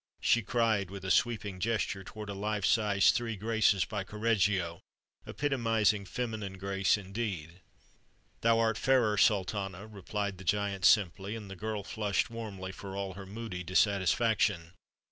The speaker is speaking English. she cried with a sweeping gesture toward a life size "Three Graces," by Correggio, epitomizing feminine grace indeed. "Thou art fairer, Sultana," replied the giant simply; and the girl flushed warmly for all her moody dissatisfaction.